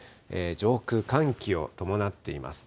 上空、寒気を伴っています。